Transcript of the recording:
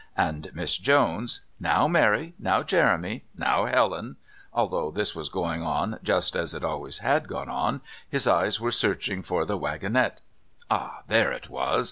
and Miss Jones: "Now, Mary! Now, Jeremy! Now, Helen!"; although this was going on just as it always had gone on, his eyes were searching for the wagonette. Ah, there it was!